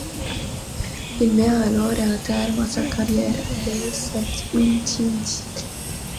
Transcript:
Il met alors un terme à sa carrière après cet ultime titre.